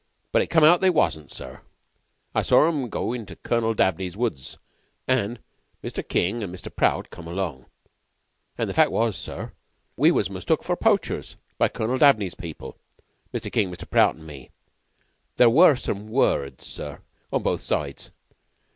But it come out they wasn't, sir. I saw them go into Colonel Dabney's woods, and Mr. King and Mr. Prout come along and the fact was, sir, we was mistook for poachers by Colonel Dabney's people Mr. King and Mr. Prout and me. There were some words, sir, on both sides.